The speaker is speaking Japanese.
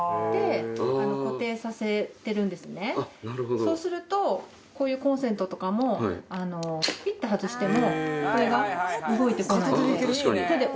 そうするとこういうコンセントとかもピッて外してもこれが動いてこないんで。